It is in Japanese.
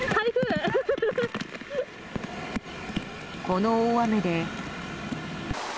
この大雨で。